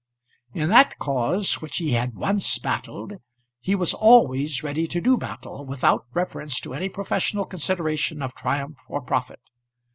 In that cause which he had once battled he was always ready to do battle, without reference to any professional consideration of triumph or profit.